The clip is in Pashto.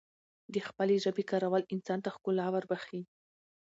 دخپلې ژبې کارول انسان ته ښکلا وربښی